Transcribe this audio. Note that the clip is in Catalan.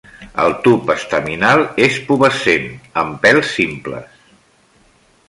El tub estaminal és pubescent, amb pèls simples.